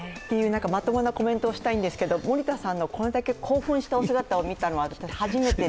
まともなコメントをしたいんですけど、森田さんのこれだけ興奮したお姿を見たのは初めてで。